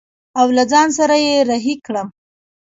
او له ځان سره يې رهي کړم.